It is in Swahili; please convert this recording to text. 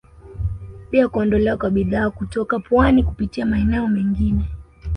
Pia kuondolewa kwa bidhaa kutoka pwani kupitia maeneo mengine